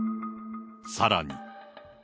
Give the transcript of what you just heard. さらに。